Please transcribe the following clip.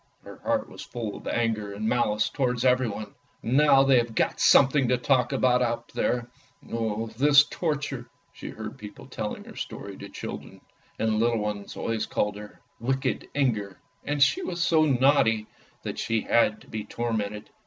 " Her heart was full of anger and malice towards everybody. "Now they have got something to talk about up there! Oh, this torture! " She heard people telling her story to children, and the little ones always called her " wicked Inger "—" she was so naughty that she had to be tormented."